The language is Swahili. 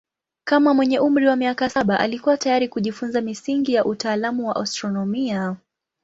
Kama mwenye umri wa miaka saba alikuwa tayari kujifunza misingi ya utaalamu wa astronomia.